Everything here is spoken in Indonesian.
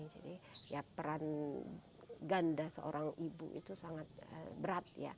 jadi peran ganda seorang ibu itu sangat berat